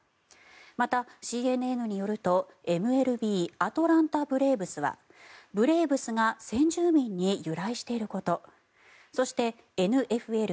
また、ＣＮＮによるとＭＬＢアトランタ・ブレーブスはブレーブスが先住民に由来していることそしてＮＦＬ